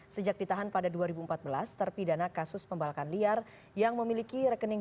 sejak ditahan pada dua ribu empat belas terpidana kasus pembalakan liar yang memiliki rekening